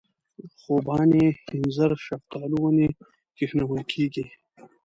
خوبانۍ اینځر شفتالو ونې کښېنول کېږي.